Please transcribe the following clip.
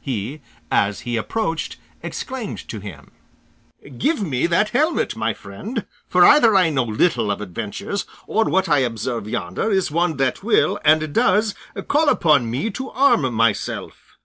He, as he approached, exclaimed to him: "Give me that helmet, my friend, for either I know little of adventures, or what I observe yonder is one that will, and does, call upon me to arm myself."